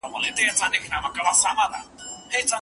هغه سړی اوسمهال د خلګو ترمنځ د کرکې په خپرولو بوخت دی.